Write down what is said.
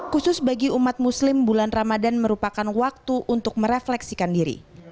khusus bagi umat muslim bulan ramadan merupakan waktu untuk merefleksikan diri